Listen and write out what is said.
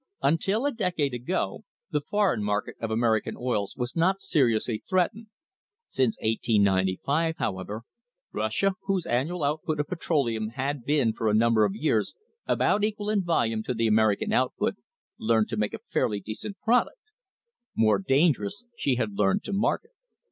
Until a decade ago the foreign market of American oils was not seriously threatened. Since 1895, however, Russia, whose annual out put of petroleum had been for a number of years about equal in volume to the American output, learned to make a fairly decent product; more dangerous, she had learned to market.